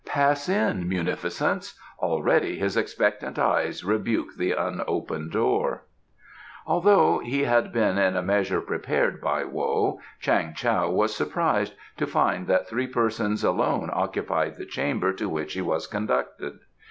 "Pass in munificence. Already his expectant eyes rebuke the unopen door." Although he had been in a measure prepared by Wo, Chang Tao was surprised to find that three persons alone occupied the chamber to which he was conducted.